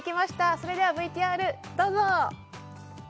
それではＶＴＲどうぞ！